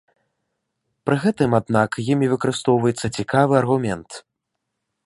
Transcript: Пры гэтым, аднак, імі выкарыстоўваецца цікавы аргумент.